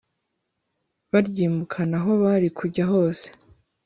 baryimukana aho bari kujya hose